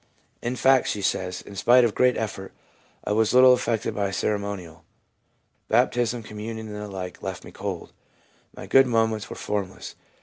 In fact, she says, ' In spite of great effort, I was little affected by ceremonial. Baptism, Communion, and the like left me cold. My good moments were formless.'